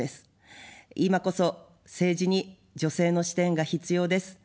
今こそ政治に女性の視点が必要です。